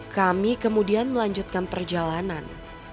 kami kemudian melanjutkan perjalanan